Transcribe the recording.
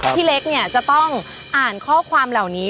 พี่เล็กเนี่ยจะต้องอ่านข้อความเหล่านี้